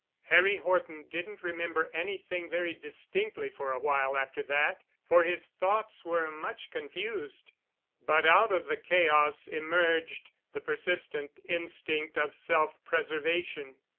Harry Horton didn't remember anything very distinctly for a while after that, for his thoughts were much confused. But out of the chaos emerged the persistent instinct of self preservation.